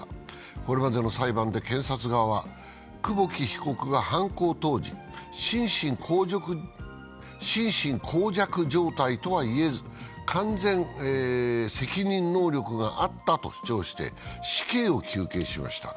これまでの裁判で検察側は、久保木被告が犯行当時、心神耗弱状態とはいえず完全責任能力があったと主張して死刑を求刑しました。